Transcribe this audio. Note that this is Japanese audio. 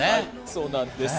そうなんです。